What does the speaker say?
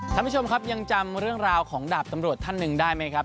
ท่านผู้ชมครับยังจำเรื่องราวของดาบตำรวจท่านหนึ่งได้ไหมครับ